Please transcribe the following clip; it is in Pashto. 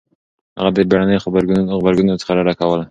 هغه د بېړنيو غبرګونونو څخه ډډه کوله.